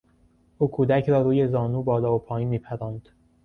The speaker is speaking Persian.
او کودک را روی زانو بالا و پایین میپراند.